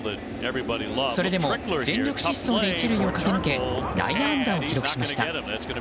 それでも全力疾走で１塁を駆け抜け内野安打を記録しました。